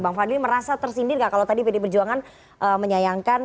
bang fadli merasa tersindir nggak kalau tadi pd perjuangan menyayangkan